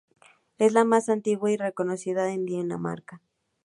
Es la más antigua y reconocida de Dinamarca.